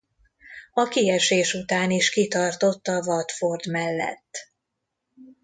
A kiesés után is kitartott a Watford mellett.